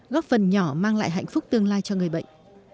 góp phần nhỏ mang lại hạnh phúc tương lai cho người bệnh